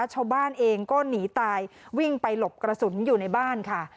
ชาวบ้านเองก็หนีตายวิ่งไปหลบกระสุนอยู่ในบ้านค่ะ